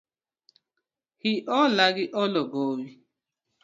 Hiola gi olo gowi.